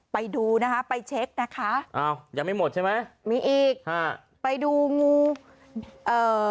ไปดูนะคะไปเช็คนะคะอ้าวยังไม่หมดใช่ไหมมีอีกฮะไปดูงูเอ่อ